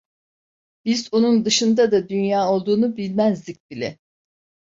Biz onun dışında da dünya olduğunu bilmezdik bile.